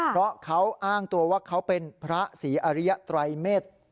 เพราะเขาอ้างตัวว่าเขาเป็นพระศรีอริยไตรเมษ